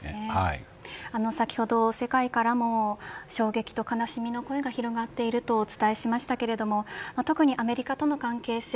先ほど世界からも衝撃と悲しみの声が広がっているとお伝えしましたが特にアメリカとの関係性